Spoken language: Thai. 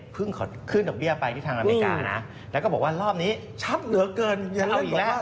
เพิ่งขึ้นดอกเบี้ยไปที่ทางอเมริกานะแล้วก็บอกว่ารอบนี้ชัดเหลือเกินอย่าเล่นบอกว่า